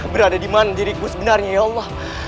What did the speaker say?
berada dimana diriku sebenarnya ya allah